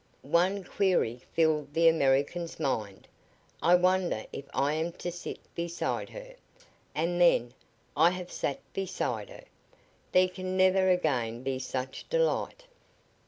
One query filled the American's mind: "I wonder if I am to sit beside her." And then: "I have sat beside her! There can never again be such delight!"